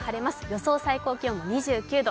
予想最高気温２９度。